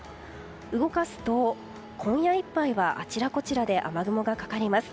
動かすと、今夜いっぱいはあちらこちらで雨雲がかかります。